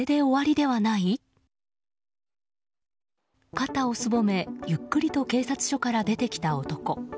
肩をすぼめゆっくりと警察署から出てきた男。